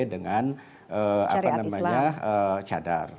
dengan syariat islam